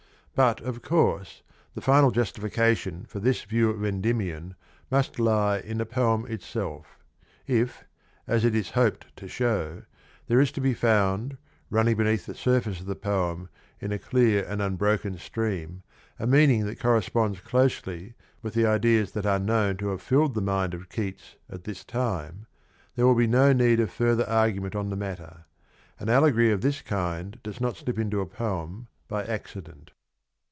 But, of course, the final justification for this view of Endymion must lie in the poem itself. If, as it is hoped to show, there is to be found, running beneath the surface of the poem in a clear and unbroken stream, a meaning that corresponds closely with the ideas that are known to have filled the mind of Keats at this time, there will be no need of further argument on the matter. An allegory of this kind does not slip into a poem by accident.